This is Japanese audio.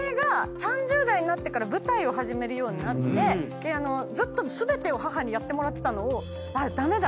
３０代になってから舞台を始めるようになってずっと全てを母にやってもらってたのを駄目だ。